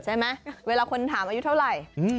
ใช่ไหมเวลาคนถามอายุเท่าไร